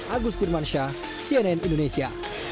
agus pirmansyah cnn indonesia